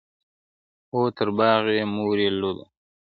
o تر باغ ئې مورۍ لو ده.